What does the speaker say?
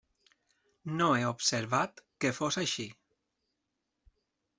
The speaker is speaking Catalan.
No he observat que fos així.